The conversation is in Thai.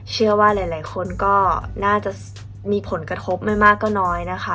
เชื่อว่าหลายคนก็น่าจะมีผลกระทบไม่มากก็น้อยนะคะ